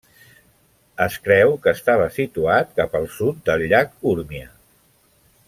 Es creu que estava situat cap al sud del Llac Urmia.